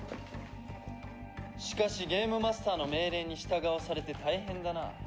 しかしゲームマスターの命令に従わされて大変だな。